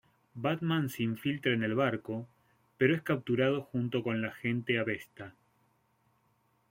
Batman se infiltra en el barco, pero es capturado junto con la Agente Avesta.